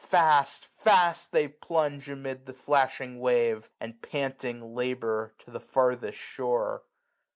Fast, fast, they plunge amid the flashing wave. And panting labour to the farthest shore.